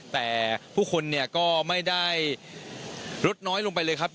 แต่ผู้คนเนี่ยก็ไม่ได้ลดน้อยลงไปเลยครับ